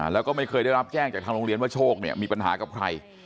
แล้วก็ไม่เคยได้รับแจ้งจากทางโรงเรียนว่าโชคเนี่ยมีปัญหากับใคร